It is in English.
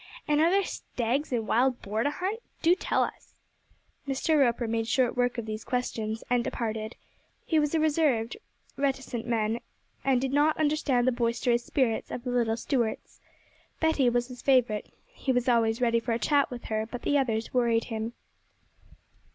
'And are there stags and wild boar to hunt? Do tell us.' Mr. Roper made short work of these questions, and departed. He was a reserved, reticent man, and did not understand the boisterous spirits of the little Stuarts. Betty was his favourite; he was always ready for a chat with her, but the others worried him.